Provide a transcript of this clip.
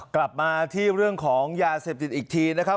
กลับมาที่เรื่องของยาเสพติดอีกทีนะครับ